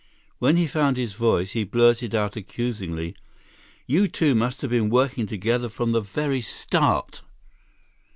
When he found his voice, he blurted out accusingly: "You two must have been working together from the very start!"